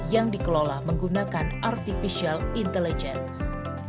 yang dikelola menggunakan artificial intelligence